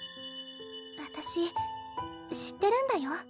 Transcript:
私知ってるんだよ。